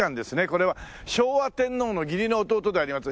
これは昭和天皇の義理の弟であります